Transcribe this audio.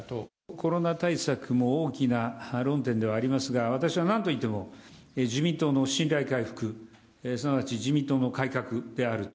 コロナ対策も大きな論点ではありますが、私はなんといっても、自民党の信頼回復、すなわち自民党の改革である。